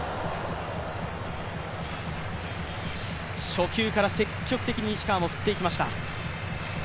初球から積極的に西川も振っていきました。